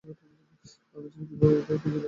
আমি জানি কিভাবে ওদের খুঁজে বের করতে হবে।